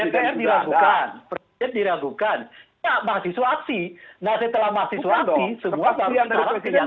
kalau penundaan itu kan berefek pada dua hal